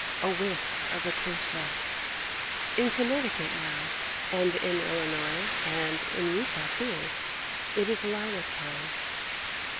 A Whiff of Acacia In Connecticut now, and in Illinois and in Utah too, it is lilac time.